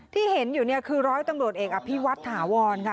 ที่เห็นอยู่เนี่ยคือร้อยตำรวจเอกอภิวัตถาวรค่ะ